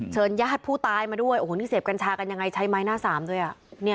ญาติผู้ตายมาด้วยโอ้โหนี่เสพกัญชากันยังไงใช้ไม้หน้าสามด้วย